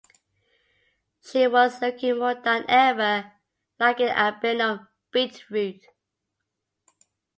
She was looking more than ever like an albino beetroot.